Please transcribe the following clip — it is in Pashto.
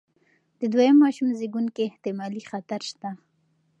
د دویم ماشوم زېږون کې احتمالي خطر شته.